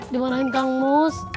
dimarahin kang mus